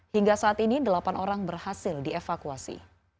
hingga saat ini delapan orang berhasil dievakuasi